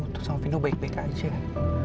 tuh sama fino baik baik aja ya